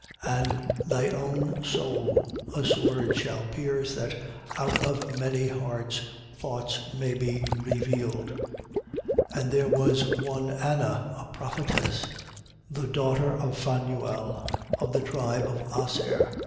And thy own soul a sword shall pierce, that, out of many hearts thoughts may be revealed. 2:36. And there was one Anna, a prophetess, the daughter of Phanuel, of the tribe of Aser.